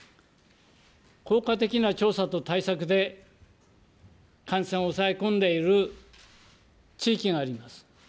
効果的な調査と対策で、感染を抑え込んでいる地域があります。